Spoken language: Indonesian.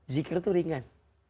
zikir itu ringan